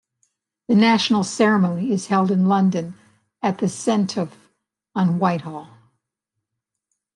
The national ceremony is held in London at the Cenotaph on Whitehall.